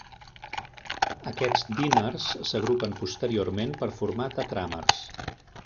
Aquests dímers s’agrupen posteriorment per formar tetràmers.